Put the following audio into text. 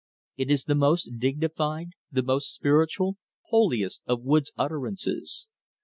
It is the most dignified, the most spiritual, the holiest of woods utterances.